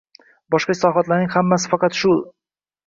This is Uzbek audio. Boshqa islohotlarning hammasi faqat shu islohot negizidan kelib chiqadi.